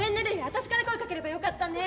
私から声かければよかったね。